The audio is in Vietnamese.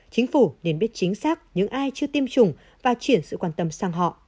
chính phủ nên biết chính xác những ai chưa tiêm chủng và chuyển sự quan tâm sang họ